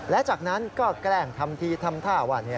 และจากนั้นก็แกล้งทำทีทำท่าว่า